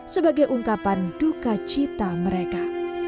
sebagai ungkapan duka cita mereka